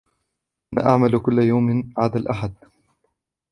أنا أعمل كل يوم عدا الأحد.